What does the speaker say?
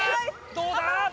どうだ？